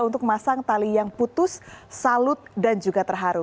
untuk memasang tali yang putus salut dan juga terharu